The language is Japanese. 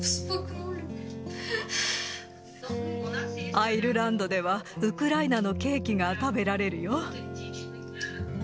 アイルランドでは、ウクライナのケーキが食べられるよ。